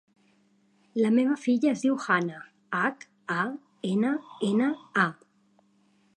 La meva filla es diu Hanna: hac, a, ena, ena, a.